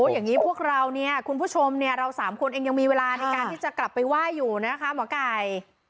อย่างนี้พวกเราเนี่ยคุณผู้ชมเนี่ยเรา๓คนเองยังมีเวลาในการที่จะกลับไปไหว้อยู่นะคะหมอไก่